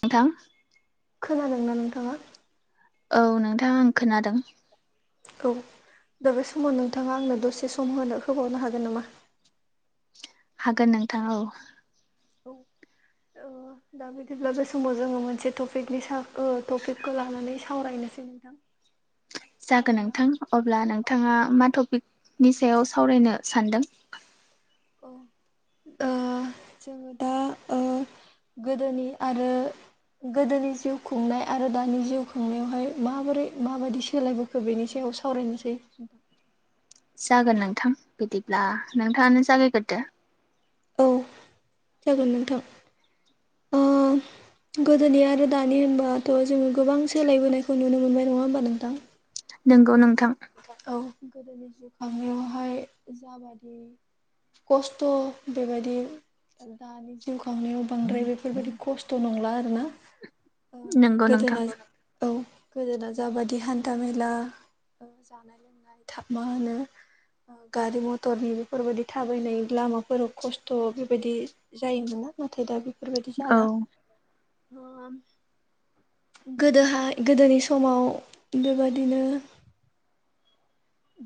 नोंथां खोनादों ना नोंथाङा औ नोंथां आं खोनादों औ दा बे समाव नोंथाङा आंनो दसे सम होनो होबावनो हागोन नामा हागोन नोंथां औ औ [inaudible] दा बिदिब्ला बे समाव जोङो मोनसे टपिकनि सा टपिकखौ लानानै सावरायनोसै नोंथां [inaudible] जागोन नोंथां अब्ला नोंथाङा मा टपिकनि सायाव सावरायनो सानदों ओ जोङो दा ओ गोदोनि आरो गोदोनि जिउ खुंनाय आरो दानि जिउ खुंनायावहाय माबोरै माबायदि सोलायबो ओ बेनि सायाव सावरायनोसै जागोन नोंथां बिदिब्ला नोंथाङानो जागायग्रोदो। औ जागोन नोंथां। ओ [inaudible] गोदोनि आरो दानि होनबाथ' जोङो गोबां सोलायबोनायखौ नुनो मोनबाय नङा होमबा नोंथां। नोंगौ नोंथां। औ गोदोनि जिउ खांनायावहाय जाबादि खस्थ' बेबायदि दानि जिउ खांनायाव बांद्राय बेफोरबायदि खस्थ' नंला आरोना। औ नोंगौ नोंथां गोदोना औ गोदोना जाबादि हान्था मेला ओ जानाय लोंनाय थाब मा होनो ओ गारि मटरनि बेफोरबायदि थाबायनाय लामाफोराव खस्थ' बेबायदि जायोमोन ना नाथाय दा बेफोरबादि औ जाला। गोदोहाय गोदोनि समाव बेबादिनो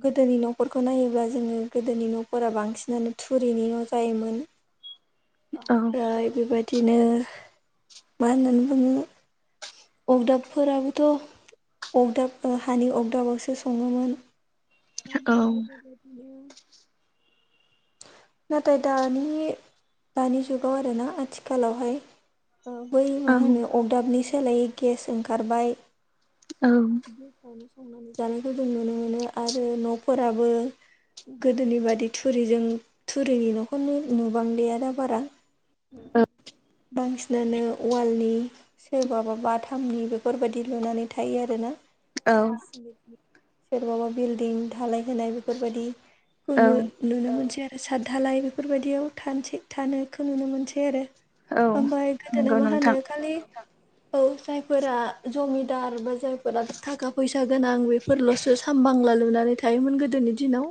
गोदोनि न'फोरखौ नायोब्ला जोङो गोदोनि न'फोरा बांसिनानो थुरिनि न' जायोमोन। औ ओमफ्राय बेबादिनो मा होननानै बुङो अगदाबफोराबोथ' अगदाब ओ हानि अगदाबावसो सङोमोन। औ ओमफाय बेबाय नाथाय दानि दानि जुगाव आरोना आथिखालावहाय ओ बै माहोनो अगदाबनि सोलायै गेस ओंखारबाय। औ। गेसावनो संनानै जानायखौ जों नुनो मोनो आरो न'फोराबो गोदोनि बादि थुरिजों थुरिनि न'खौनो नुबांलिया दा बारा। ओ औ बांसिनानो अवालनि सोरबाबा बाथा मनि बेफोरबादि लुनानै थायो आरोना। औ सोरबाबा बिल्डिं धालाय होनाय बेफोरबादिखौबो औ नुनो मोनो बिदिआरो सादधालाय बेफोरबायदियाव थानसै थानायखौ नुनो मोनसै आरो। औ ओमफाय गोदोना नंगौ मा नोंथां होनो खालि औ जायफोरा जमिदार बा जायफोरा थाखा फैसा गोनां बेफोरल'सो सामबांला लुनानै थायोमोन गोदोनि दिनाव।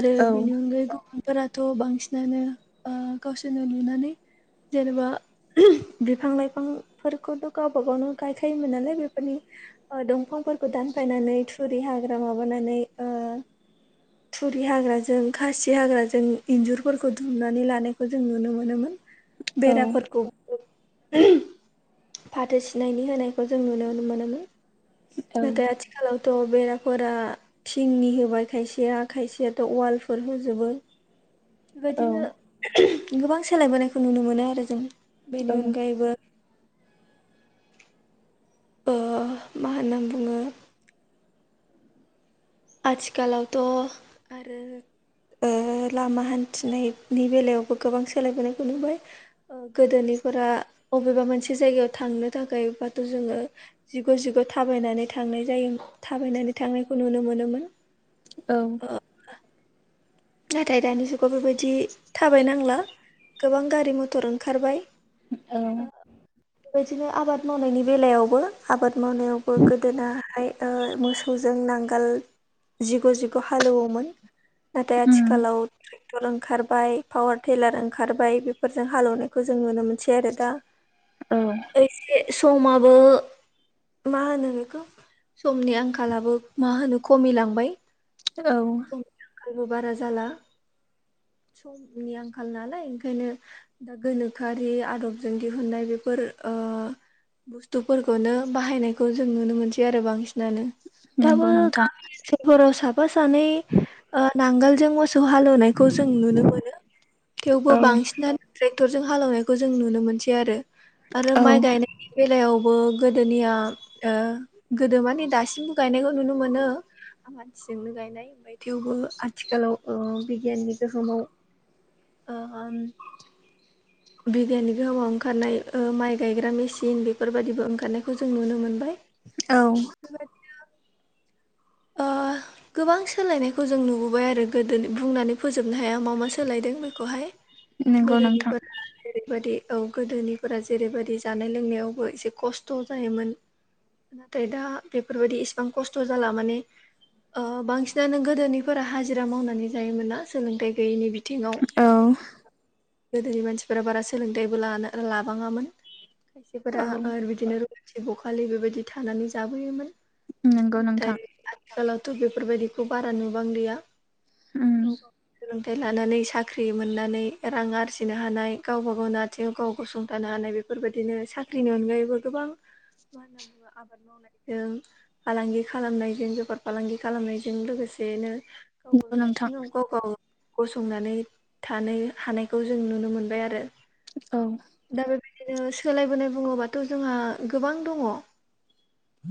आरो औ बेनि अनगायै फोथाराथ' बांसिनानो ओ गावसोरनो लुनानै जेनेबा बिफां लाइफांफोरखौबो गावबा गावनो गायखायोमोन नालाय बेफोरनि ओ दंफांफोरखौ दानफायनानै थुरि हाग्रा माबानानै ओ थुरि हाग्राजों खासि हाग्राजों इन्जुरफोरखौ दुमनानै लानायखौ जों नुनो मोनोमोन। औ बेराफोरखौ फाथो सिनायनि होनायखौ जों नुनो मोनोमोन। औ नाथाय आथि खालावथ' बेराफोरा थिंनि होबाय खायसेया खायसेयाथ' वालफोर हो जोबो। बेबायदिनो गोबां सोलायबोनायखौ नुनो मोनो आरो जों। बेनि अनगायैबो ओ मा होनना बुङो आथिखालावथ' आरो ओ लामा हान्थिनायनि बेलायावबो गोबां सोलायबोनायखौ नुबाय। ओ गोदोनिफोरा अबेबा मोनसे जायगायाव थांनो थाखायबाथ' जोङो जिग' जिग' थाबायनानै थांनाय जायोम थाबायनानै थांनायखौ नुनो मोनोमोन। औ। ओ नाथाय दानि जुगाव बेबायदि थाबाय नांला गोबां गारि मटर ओंखारबाय। ओ औ। बेबायदिनो आबाद मावनायनि बेलायावबो आबाद मावनायावबो गोदोनाहाय ओ मो सौजों नांगोल जिग' जिग' हालेवोमोन। दा उम आथिखालाव ट्रेक्टर ओं खारबाय पावार थेलार ओंखारबाय बेफोरजों हालौनायखौ जों नुनो मोनसै आरो दा औ एसे समाबो मा होनो बेखौ समनि आंखालाबो मा होनो खमिलांबाय औ। बो बारा जाला समनि आंखाल नालाय ओंखायनो दा गोनोखोआरि आदबजों दिहुननाय बेफोर ओ बुस्थुफोरखौनो बाहायनायखौ जों नुनो मोनसै आरो बांसिनानो। दाबो नंगौ नोंथां गामि ओनसोलफोराव साफा सानै ओ नांगोलजों मो सौ हालुनायखौ जों नुनो मोनो थेवबो औ बांसिनानो [unintelligible] टरजों हालौनायखौ जों नुनो मोनसै आरो आरो औ माइ गायनायनि बेलायावबो गोदोनिया ओ गोदो माने दासिमबो गायनायखौ नुनो मोनो आ मानसिजोंनो गायनाय [unintelligible] थेवबो आथिखालाव ओ बिगियाननि गोहोमाव ओम बिगियाननि गोहोमाव ओंखारनाय ओ माइ गायग्रा मेसिन बेफोरबायदिबो ओंखारनायखौ जों नुनो मोनबाय औ बेबायदि ओ [inaudible] गोबां सोलायनायखौ जों नुबोबाय आरो गोदो बुंनानै फोजोबनो हाया मा मा सोलायदों बेखौहाय नंगौ गोदोनि नोंथां [unintelligible] जेरैबायदि औ गोदोनिफोरा जेरैबायदि जानाय लोंनायावबो एसे खस्थ' जायोमोन नाथाय दा बेफोरबायदि इसिबां खस्थ' जाला माने ओ बांसिनानो गोदोनिफोरा हाजिरा मावनानै जायोमोन ना सोलोंथाइ गैयैनि बि थिङाव औ गोदोनि मानसिफोरा बारा सोलोंथायाइबो लानो लाबाङामोन औ खायसेफोरा [unintelligible] बिदिनो थि बखालि बेबायदि थानानै जाबोयोमोन नंगौ नोंथां थिखालावथ' बेफोरबायदिखौ बारा नुबांलिया उम गाव गावनि सोलों थाइ लानानै साख्रि मोननानै रां आरजिनो हानाय गावबा गावनो आथिङाव गाव गसंथानो हानाय बे फोरबायदिनो साख्रिनि अनगायैबो गोबां मा होनो आबाद मावनायजों फालांगि खालामनायजों जोबोद फालांगि खालामनायजों लोगोसेनो गाव नंगौ गावनि नोंथां आथिङाव गाव-गाव गसंनानै थानो हानायखौ जों नुनो मोनबाय आरो औ दा बेबायदिनो सोलायबोनाय बुङोबाथ' जोंहा गोबां दङ'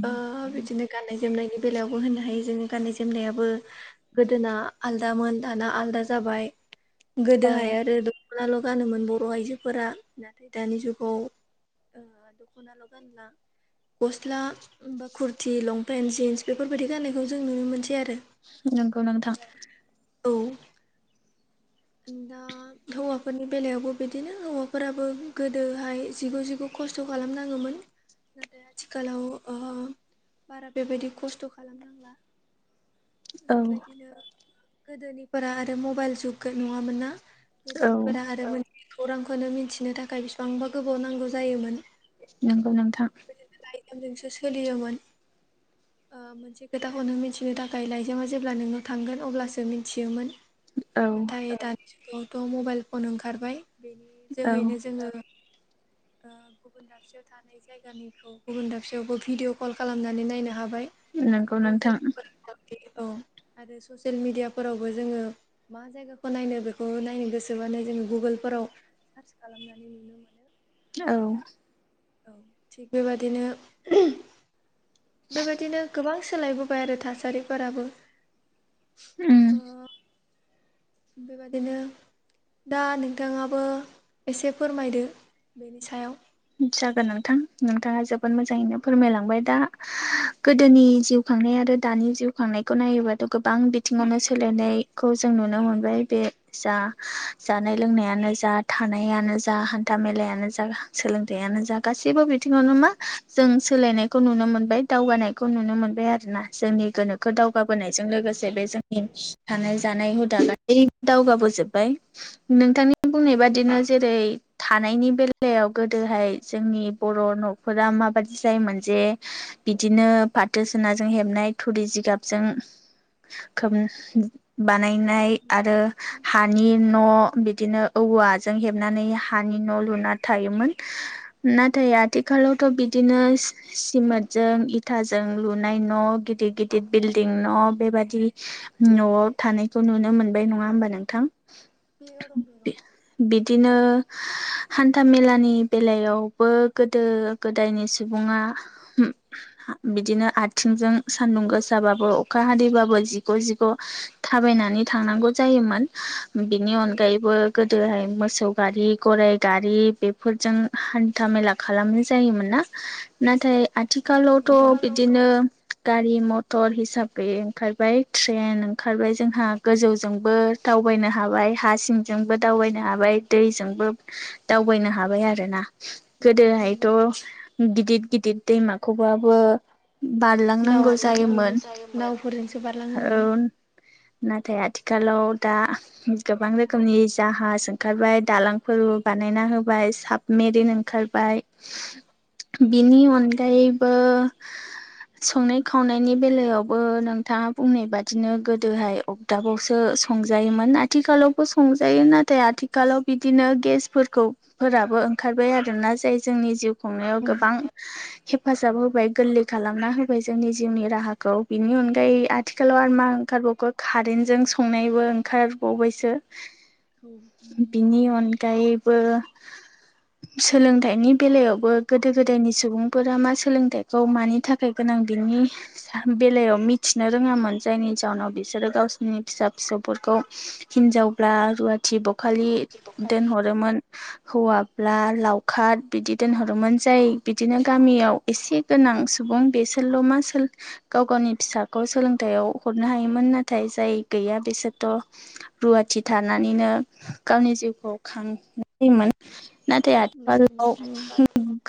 ओ बिदिनो गाननाय जोमनायनि बेलायावबो होननो हायो जोंनि गाननाय जोमनायाबो गोदोना आलदामोन दाना आलदा जाबाय गोदोहाय आरो द' [unintelligible] गानोमोन बर' आइजोफोरा नाथाय दानि जुगाव ओ दख खना ल' गानला गस्ला बा खुरति लंपेन जिन्स बेफोरबायदि गाननायखौ जों नुनो मोनसै आरो नोंगौ नोंथां औ दा हौवाफोरनि बेलायावबो बिदिनो हौवाफोराबो गोदोहाय जिगु-जिगु खस्थ' खालामनाङोमोन नाथाय आथिखालाव ओ बारा बेबायदि खस्थ' खालामनांला [inaudible] बेबायदिनो गोदोनिफोरा आरो मबाइल जुग गो नङामोन ना औ गोदोनिफोरा आरो [unintelligible] खौरांखौनो मिथिनो थाखाय बिसेबांबा गोबाव नांगौ जायोमोन नोंगौ नोंथां। फ्रायजोंसो सोलियोमोन। ओ मोनसे खोथाखौनो मिथिनो थाखाय लाइजामा जेब्ला नोंनाव थांगोन अब्लासो मिथियोमोन। औ नाथाय दानि जुगावथ' मबाइल फन ओंखारबाय बेनि औ जोहैनो जोंङो ओ गुबुन दाबसेयाव थानाय जायगानिखौ गुबुन दाबसेयावबो भिडिअ कल खालामनानै नायनो हाबाय। नंगौ बै नोंथां जायगाफोर औ आरो ससियेल मिडियाफोरावबो जोंङो मा जायगाखौ नायनो बेखौ नायनो गोसोबानो जोंङो गुगोलफोराव सार्च खालामनानै नुनो मोनो। औ औ थिग बेबादिनो [unintelligible] बेबायदिनो गोबां सोलायबोबाय आरो थासारिफोराबो ओ उम बेबादिनो दा नोंथांङाबो एसे फोरमायदो बेनि सायाव जागोन नोंथां नोंथांङा जोबोद मोजांङैनो फोरमायलांबाय दा गोदोनि जिउ खांनाय आरो दानि जिउ खांनायखौ नायोबाथ' गोबां बिथिंङावनो सोलायनायखौ जों नुनो मोनबाय बे जा जानाय लोंनायानो जा थानायानो जा हान्था मेलायानो जा सोलोंथायाइयानो जा गासैबो बिथिंङावनो मा जों सोलायनायखौ नुनो मोनबाय दावगानाय खौ नुनो मोनबाय आरो ना जोंनि गोनोखो औ दावगाबोनाय जों लोगोसे बे जोंनि थानाय जानाय हुदा गासै दावगाबोजोबबाय। नोंथांनि बुंनाय बादिनो जेरै थानायनि बेलायाव गोदोहाय जोंनि बर' न'फोरा माबादि जायोमोन जे बिदिनो फाथो सोना जों हेबनाय थुरि जिगाबजों खोब खोबनाय बानायनाय आरो हा हानि न' बिदिनो औवाजों हेबनानै हानि न' लुना थायोमोन। नाथाय आथिखालावथ' बिदिनो सिमोनेटजों इथाजों लुनाय न' गिदिर गिदिर बिल्डिं न' बेबादि न'आव थानायखौ नुनो मोनबाय नंङा होमबा नोंथां। [unintelligible] बिदिनो हान्था मेलानि बेलायावबो गोदो गोदायनि सुबुंङा बिदिनो आथिंजों सान्दुं गोसाबाबो अखा हादैबाबो जिग' जिग' थाबायनानै थांनांगौ जायोमोन। बिनि औ अनगायैबो गोदोहाय मोसौ गारि गराय गारि बेफोर जों हान्था मेला खालामनाय जायोमोन ना? नाथाय नंगौ आथिखालावथ' नोंथां औ बिदिनो गारि मथर हिसाबै ओंखारबाय ट्रेन ओंखारबाय जोंहा गोजौजोंबो दावबायनो हाबाय हा सिंजोंबो दावबायनो हाबाय दैजोंबो दावबायनो हाबाय आ रो ना। नंगौ गोदोहायथ' गिदिर गिदिर दैमाखौबाबो बारलांनांगौ नावफोर औ जायोमोन। नावफोरजोंसो बारलाङोमोन औ नाथाय आथिखालाव दा गोबां रोखोमनि जाहाज जाहाज ओंखारबाय दालांफोर बानायना होबाय साबमेरिन ओंखारबाय। औ बिनि अनगायैबो संनाय खावनायनि बेलायावबो नोंथांङा बुंनाय बादिनो गोदोहाय अ दाबावसो संजायोमोन आथिखालावबो संजायो नाथाय आथिखालाव बिदिनो गेसफोरखौ फोराबो ओंखारबाय आरोना जाय जोंनि जिउ खुंनायाव औ गोबां हेफाजाब होबाय गोरलै खालामना होबाय जोंनि जिउनि राहाखौ बिनि अनगायै आथिखालाव आरोमा ओंखारबावखो खारेन्जों संनायबो ओंखारबावबायसो। बिनि अनगायैबो सोलोंथाइनि बेलायावबो गोदो गोदायनि सुबुंफोरा मा सोलोंथाइखौ मानि था फै गोनां बिनि सा बेलायाव मिथिनो रोङामोन जायनि जाहोनाव बिसोरो गावसोरनि फिसा फिसौफोरखौ हिनजावब्ला रुवाथि बखालि दोनहरोमोन हौवा ब्ला लावखार बिदि दोनहरोमोन जाय बिदिनो गामियाव एसे गोनां सुबुं बेसो सेल' मा ओन्सोल गाव गावनि फिसाखौ सोलोंथायाव हरनो हायोमोन नाथाय जाय गैया बिसोरथ' रुवाथि थानानैनो गावनि जिउखौ खांबोयोमोन। नाथाय नोंगौ औ आथिखालाव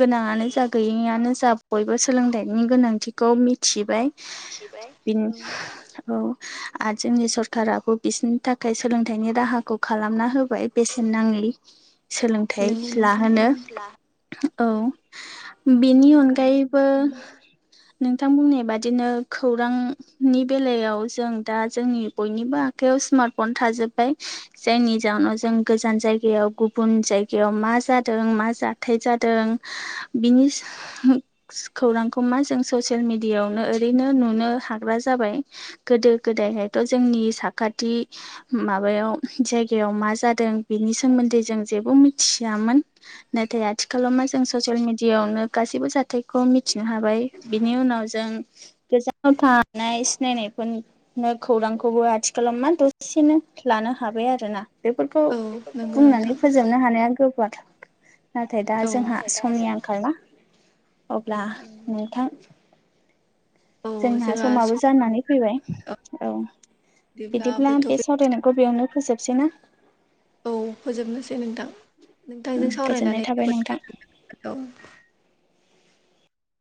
गोनाङानो जा गैयिआनो जा बयबो सोलोंथाइनि गोनांथिखौ मि थिबाय बिन औ आरो जोंनि सरखाराबो बिसोरनि थाखाय सोलोंथाइनि राहाखौ खालामना होबाय। बेसेन नाङि सोलोंथाइ लाहोनो औ बेनि बुंनो अनगायैबो थाङोब्ला नोंथां बुंनाय बादिनो खौरां नि बेलायाव जों दा जोंनि बयनिबो आखाइयाव स्मार्ट फन थाजोब्बाय। जायनि जाहोनाव जों गोजान जायगायाव गुबुन जायग बेयाव मा जादों मा जाथाय जादों बिनि होस खौरांखौ मा जों ससियेल मिडियावनो ओरैनो नुनो हाग्रा जाबाय। गोदो गोदायहायथ' जोंनि साखाथि माबायाव जायगायाव मा जादों बेनि सोमोन्दै जों जेबो मिथ मिथियामोन नाथाय आथिखालाव मा जों ससियेल मिडिया आवनो गासिबो जाथ थायखौ मिथिनो हाबाय बिनि उनाव जों गोजानाव थानाय सिनायनायफोर नो खौरांखौबो आथिखालाव मा दसेनो लानो हाबाय आरो ना बेफोरखौ औ नंगौ बुंनानै नोंथां फोजोबनो हानाया गोबाद नाथाय दा औ जोंहा समनि आंखालना अब्ला नंगौ नोंथां औ जोंना जोंहा समाबो सम जानानै फैबाय औ बिदिब्ला बे सावरायनायखौ बेयावनो फोजोबसै ना? औ फोजोबनोसै नोंथां नोंथांजों सावरायनानै गोजोननाय थाबाय जोबोद नोंथां गोजोन औ